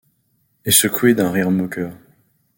et secouée d'un rire moqueur.